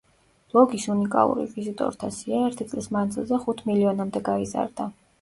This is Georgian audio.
ბლოგის უნიკალური ვიზიტორთა სია, ერთი წლის მანძილზე ხუთ მილიონამდე გაიზარდა.